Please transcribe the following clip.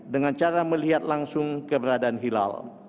dengan cara melihat langsung keberadaan hilal